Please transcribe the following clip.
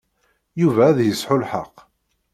Yuba ad yesɛu lḥeqq.